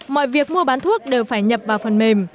mọi việc mua bán thuốc đều phải nhập vào phần mềm